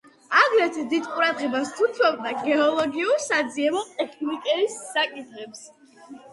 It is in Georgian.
აგრეთვე დიდ ყურადღებას უთმობდა გეოლოგიურ-საძიებო ტექნიკის საკითხებს.